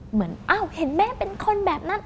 เหมือนอ้าวเห็นแม่เป็นคนแบบนั้น